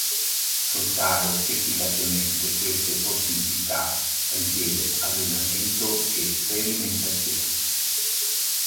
Sfruttare efficacemente queste possibilità richiede allenamento e sperimentazione.